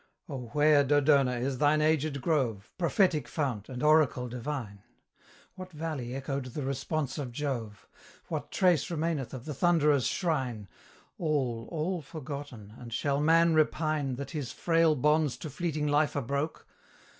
where, Dodona, is thine aged grove, Prophetic fount, and oracle divine? What valley echoed the response of Jove? What trace remaineth of the Thunderer's shrine? All, all forgotten and shall man repine That his frail bonds to fleeting life are broke?